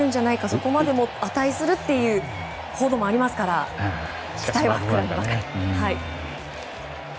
そこまでも値するという報道もありますから期待は膨らむばかりです。